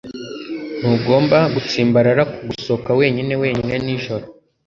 Ntugomba gutsimbarara ku gusohoka wenyine wenyine nijoro.